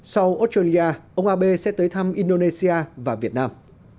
sau australia ông abe sẽ tới thăm indonesia và việt nam